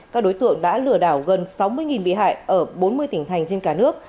các đối tượng đã lừa đảo gần sáu mươi bị hại ở bốn mươi tỉnh thành trên cả nước